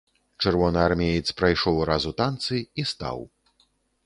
Чырвонаармеец прайшоў раз у танцы і стаў.